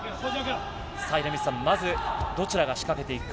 米満さん、まずどちらが仕掛けていくか。